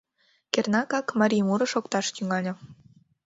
Кернакак, марий муро шокташ тӱҥале.